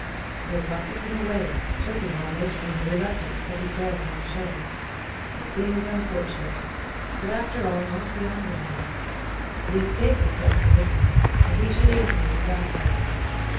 They bustled him away, choking almost from a reluctance that he dared not show. The thing was unfortunate; but after all not beyond remedy. The escape was set for midnight, and he should easily be back by then.